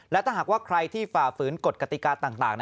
และถ้าหากว่าใครที่ฝ่าฝืนกฎกติกาต่าง